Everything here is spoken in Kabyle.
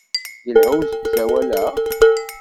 Yelha usegzawal-a.